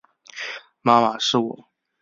妈妈，是我